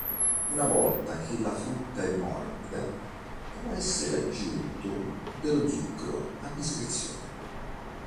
Una volta che la frutta è morbida, può essere aggiunto dello zucchero, a discrezione.